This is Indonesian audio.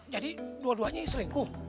jadi dua duanya selingkuh